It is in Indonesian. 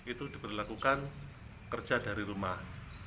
itu diberlakukan kerja dari rumah